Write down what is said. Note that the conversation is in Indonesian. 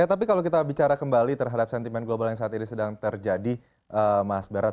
tapi kalau kita bicara kembali terhadap sentimen global yang saat ini sedang terjadi mas beras